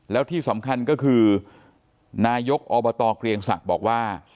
แล้วที่สำคัญก็คือนายกอบตเกรียงศักดิ์บอกว่า